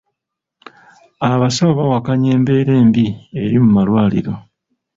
Abasawo bawakanya embeera embi eri mu malwaliro.